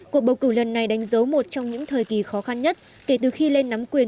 cuộc bầu cử lần này đánh dấu một trong những thời kỳ khó khăn nhất kể từ khi lên nắm quyền